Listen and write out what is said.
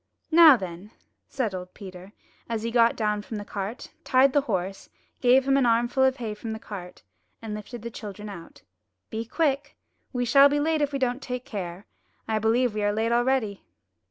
Now then," said old Peter, as he got down from the cart, tied the horse, gave him an armful of hay from the cart, and lifted the children out. ''Be quick. We shall be late if we don't take care. I believe we are late already.'